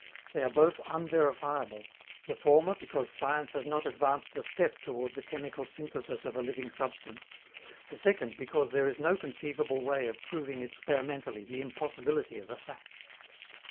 They are both unverifiable, the former because science has not yet advanced a step toward the chemical synthesis of a living substance, the second because there is no conceivable way of proving experimentally the impossibility of a fact.